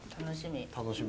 楽しみ。